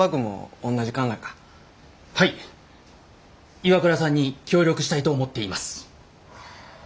ＩＷＡＫＵＲＡさんに協力したいと思っています。